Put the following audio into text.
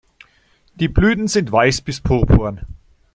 Die Blüten sind weiß bis purpurn.